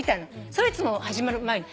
それをいつも始まる前に。